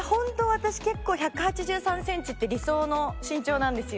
私結構１８３センチって理想の身長なんですよ。